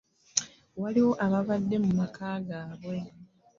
Waliwo ababadde mu maka gaabwe.